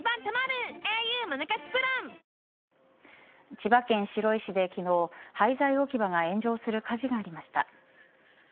千葉県白井市で昨日廃材置き場が炎上する火事がありました。